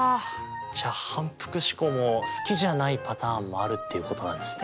じゃあ反復試行も好きじゃないパターンもあるっていうことなんですね。